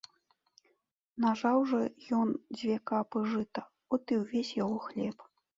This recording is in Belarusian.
Нажаў жа ён дзве капы жыта, от і ўвесь яго хлеб.